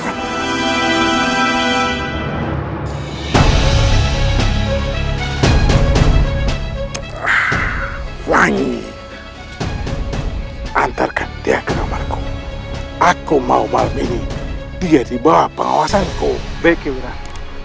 ini antarkan dia ke kamarku aku mau malam ini dia dibawa pengawasanku bk urah